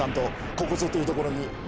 ここぞというところに。